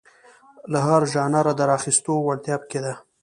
له هر ژانره د راخیستو وړتیا په کې ده.